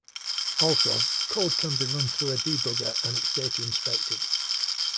Also, code can be run through a debugger and its data inspected.